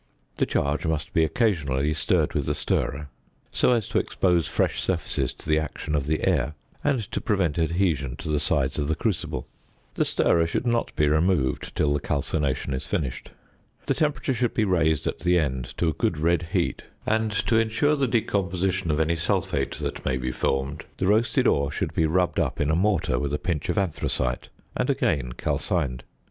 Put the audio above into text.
The charge must be occasionally stirred with the stirrer (fig. 10) so as to expose fresh surfaces to the action of the air, and to prevent adhesion to the sides of the crucible. The stirrer should not be removed till the calcination is finished. The temperature should be raised at the end to a good red heat; and (to ensure the decomposition of any sulphate that may be formed) the roasted ore should be rubbed up in a mortar with a pinch of anthracite, and again calcined.